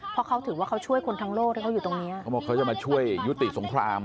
เพราะเขาถือว่าเขาช่วยคนทั้งโลกที่เขาอยู่ตรงเนี้ยเขาบอกเขาจะมาช่วยยุติสงคราม